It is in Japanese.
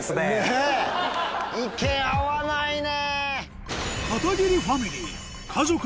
意見合わないね。